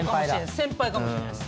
先輩かもしれないっす。